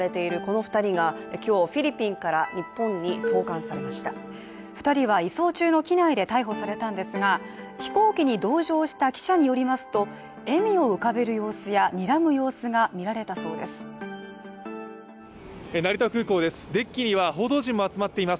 ２人は移送中の機内で逮捕されたんですが、飛行機に同乗した記者によりますと笑みを浮かべる様子やにらむ様子が見られたそうです。